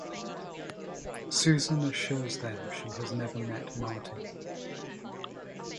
Susan assures them she has never met Martin.